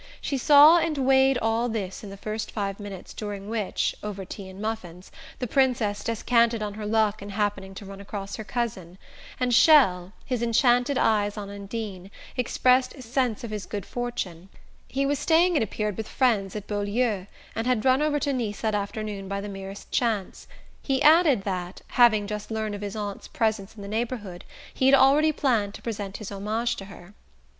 She saw and weighed all this in the first five minutes during which, over tea and muffins, the Princess descanted on her luck in happening to run across her cousin, and Chelles, his enchanted eyes on Undine, expressed his sense of his good fortune. He was staying, it appeared, with friends at Beaulieu, and had run over to Nice that afternoon by the merest chance: he added that, having just learned of his aunt's presence in the neighbourhood, he had already planned to present his homage to her.